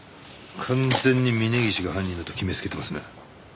完全に峰岸が犯人だと決めつけてますね。